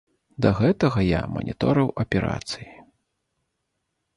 Да гэтага я маніторыў аперацыі.